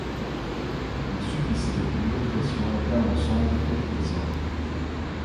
Il subissait l’oppression d’un ensemble épuisant.